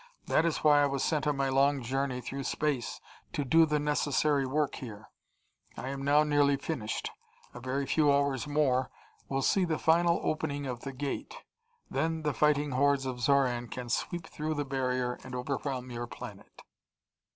That is why I was sent on my long journey through space to do the necessary work here. I am now nearly finished. A very few hours more will see the final opening of the Gate. Then the fighting hordes of Xoran can sweep through the barrier and overwhelm your planet.